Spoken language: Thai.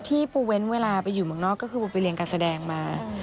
ที่ปูเว้นเวลาไปอยู่เมืองนอกก็คือปูไปเรียนการแสดงมา